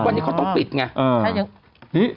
วันนี้เขาต้องปิดไง